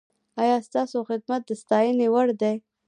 ایا ستاسو خدمت د ستاینې وړ دی؟